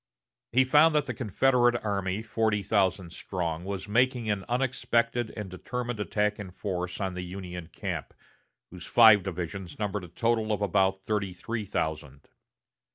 He found that the Confederate army, forty thousand strong, was making an unexpected and determined attack in force on the Union camp, whose five divisions numbered a total of about thirty three thousand.